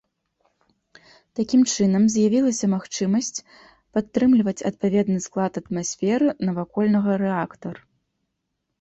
Такім чынам з'явілася магчымасць падтрымліваць адпаведны склад атмасферы, навакольнага рэактар.